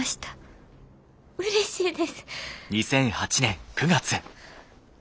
うれしいです。